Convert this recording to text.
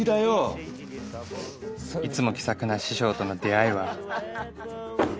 いつも気さくな師匠との出会いは